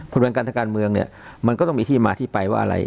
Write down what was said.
บริเวณการทางการเมืองเนี่ยมันก็ต้องมีที่มาที่ไปว่าอะไร